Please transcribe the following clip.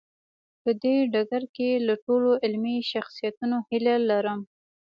په دې ډګر کې له ټولو علمي شخصیتونو هیله لرم.